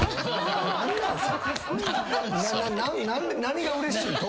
何がうれしいん？